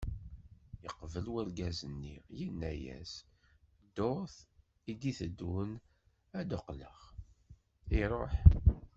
Yeqbel urgaz-nni, yenna-as, ddurt i d-iteddun ad d-qqleɣ, iruḥ.